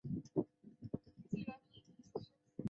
曾任台湾大学心理学系及心理科学研究中心讲座教授。